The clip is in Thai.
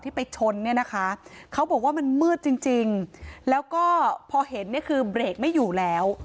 ไปชนเนี่ยนะคะเขาบอกว่ามันมืดจริงจริงแล้วก็พอเห็นเนี่ยคือเบรกไม่อยู่แล้ว